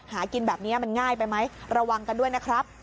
หากินแบบนี้มันง่ายไปไหมระวังกันด้วยนะครับ